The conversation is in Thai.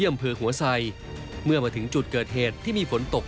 เมื่อมาถึงจุดเกิดเหตุที่มีฝนตก